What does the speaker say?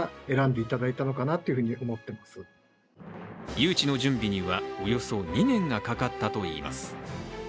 誘致の準備にはおよそ２年がかかったといいます。